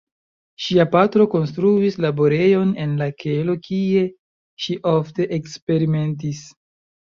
Ŝia patro konstruis laborejon en la kelo kie ŝi ofte eksperimentis.